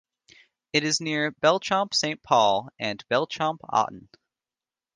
It is near Belchamp Saint Paul and Belchamp Otten.